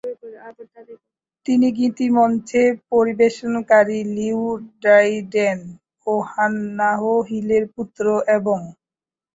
তিনি গীতিমঞ্চে পরিবেশনাকারী লিও ড্রাইডেন ও হান্নাহ হিলের পুত্র, এবং